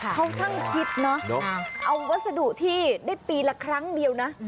เขาช่างคิดนะเอาวัสดุที่ได้ปีละครั้งเดียวนะ